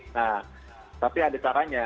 nah tapi ada caranya